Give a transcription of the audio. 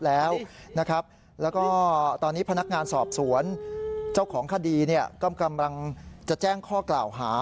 แล้วก็ตอนนี้พนักงานสอบสวนเจ้าของคดีก็กำลังจะแจ้งข้อกล่าวหา